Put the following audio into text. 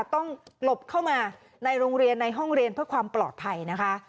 ต้องหลบเข้ามาในโรงเรียนในห้องเรียนเพื่อความปลอดภัยนะคะ